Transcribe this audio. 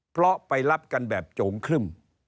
เพราะไปรับกันแบบโจงครึ่ม